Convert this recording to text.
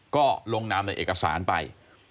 ก็ลงนามในเอกสารไป